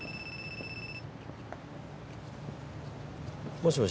もしもし？